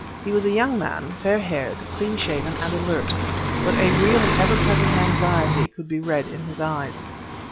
He was a young man, fair haired, clean shaven and alert; but a real and ever present anxiety could be read in his eyes.